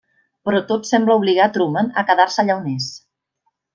Però tot sembla obligar Truman a quedar-se allà on és.